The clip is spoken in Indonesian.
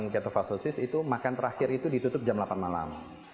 ketofasosis itu makan terakhir itu ditutup jam delapan malam